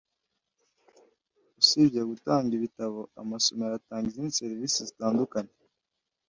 Usibye gutanga ibitabo, amasomero atanga izindi serivisi zitandukanye